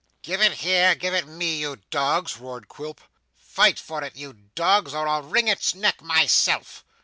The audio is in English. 'Give it here, give it to me, you dogs,' roared Quilp. 'Fight for it, you dogs, or I'll wring its neck myself!